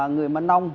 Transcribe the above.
người mân âu